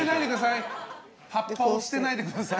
葉っぱを捨てないでください。